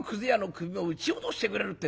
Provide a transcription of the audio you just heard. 首も打ち落としてくれるってんでね